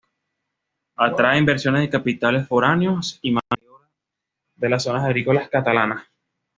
Atrae inversiones de capitales foráneos y mano de obra de las zonas agrícolas catalanas.